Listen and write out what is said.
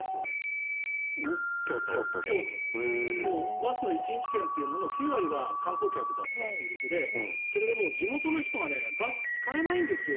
バスの１日券の９割が観光客だったということでそれで地元の人がバス使えないんですよ。